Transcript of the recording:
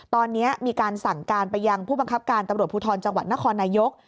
ตอนนี้มีการสั่งการไปยังผู้บังคับการตำรวจภูทรจังหวัดนครนายก